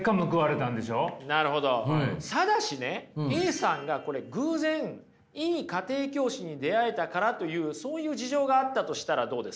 ただしねＡさんが偶然いい家庭教師に出会えたからというそういう事情があったとしたらどうです？